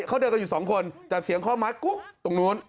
เขาเดินกันอยู่สองคนจากเสียงข้อไม้กุ๊กตรงนู้น